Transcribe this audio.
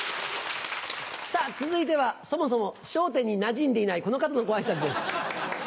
さぁ続いてはそもそも『笑点』になじんでいないこの方のご挨拶です。